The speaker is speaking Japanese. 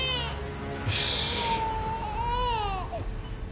よし。